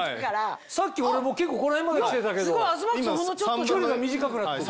さっき俺も結構この辺まで来てたけど距離が短くなってる。